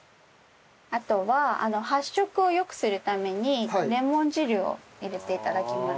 あとは発色を良くするためにレモン汁を入れて頂きます。